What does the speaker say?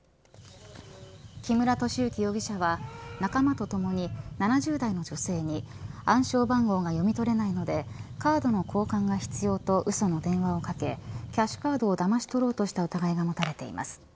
木村敏幸容疑者は仲間とともに７０代の女性に暗証番号が読み取れないのでカードの交換が必要とうその電話をかけキャッシュカードをだまし取ろうとした疑いが持たれています。